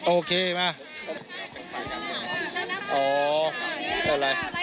โอเคมา